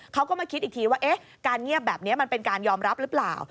เขาก็มาคิดอีกทีว่าการเงียบแบบนี้มันเป็นการยอมรับหรือเปล่า